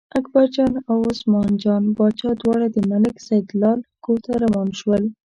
اکبرجان او عثمان جان باچا دواړه د ملک سیدلال کور ته روان شول.